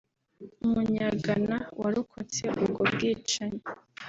Umunya-Ghana warokotse ubwo bwicanyi